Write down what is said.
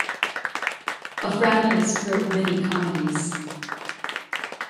Afranius wrote many comedies.